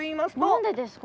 何でですか？